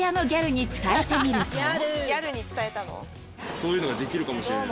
そういうのができるかもしれない。